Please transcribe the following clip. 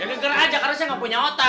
ya geger aja karena saya gak punya otak